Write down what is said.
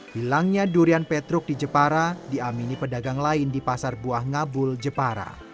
hilangnya durian petruk di jepara diamini pedagang lain di pasar buah ngabul jepara